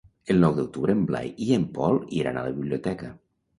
El nou d'octubre en Blai i en Pol iran a la biblioteca.